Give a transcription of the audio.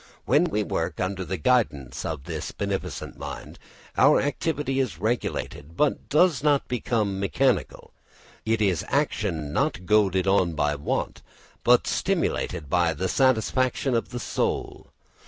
When we work under the guidance of this beneficent mind, then our activity is regulated, but does not become mechanical; it is action not goaded on by want, but stimulated by the satisfaction of the soul.